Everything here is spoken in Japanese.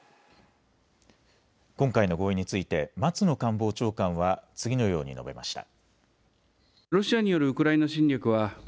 今回の合意について松野官房長官は次のように述べました。